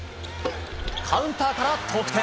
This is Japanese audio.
カウンターから得点。